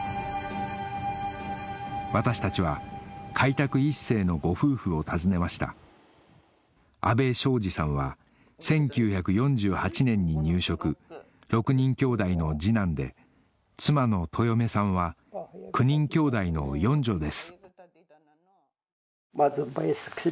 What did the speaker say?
私たちは開拓一世のご夫婦を訪ねました阿部正次さんは１９４８年に入植６人きょうだいの次男で妻の豊女さんは９人きょうだいの四女です